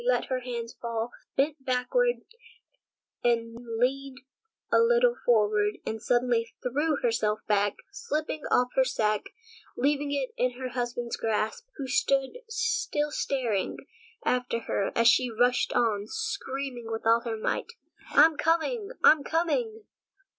She let her hands fall, bent backward, then leaned a little forward and suddenly threw herself back, slipping off her sack and leaving it in her husband's grasp, who stood stock still staring after her as she rushed on, screaming with all her might: "I'm coming, I'm coming."